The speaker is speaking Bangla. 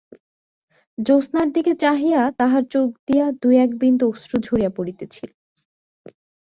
জ্যোৎস্নার দিকে চাহিয়া তাহার চোখ দিয়া দুই-এক বিন্দু অশ্রু ঝরিয়া পড়িতেছিল।